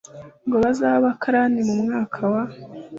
ngo bazabe abakarani mu mwaka wa